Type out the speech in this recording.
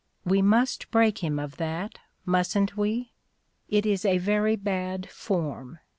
We must break him of that, mustn't we? It is a very bad 'form.'